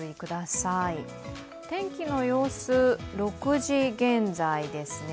天気の様子、６時現在です。